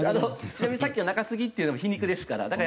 ちなみにさっきの中継ぎっていうのも皮肉ですから。